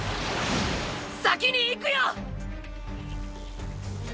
先にいくよ！！